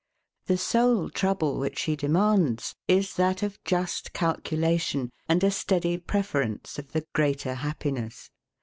The sole trouble which she demands, is that of just calculation, and a steady preference of the greater happiness.